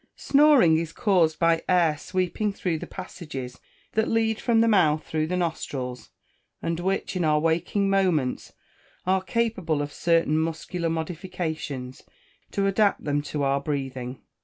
_ Snoring is caused by air sweeping through the passages that lead from the mouth through the nostrils, and which, in our waking moments, are capable of certain muscular modifications to adapt them to our breathing.